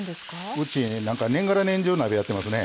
うち年がら年中鍋やってますね。